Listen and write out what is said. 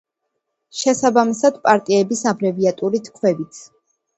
შესაბამისად პარტიების აბრევიატურით ქვევით.